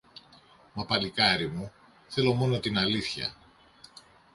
Μα, παλικάρι μου, θέλω μόνο την αλήθεια